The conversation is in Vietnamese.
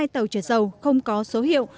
hai tàu trở dầu không có số hiệu